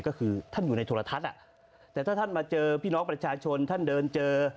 ก็คือท่านอยู่ในโทรทัศน์แต่ถ้าท่านมาเจอพี่น้องประชาชนท่านเดินเจอ